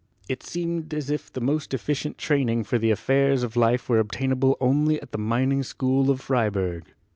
It seemed as if the most efficient training for the affairs of life were obtainable only at the Mining School of Freiberg.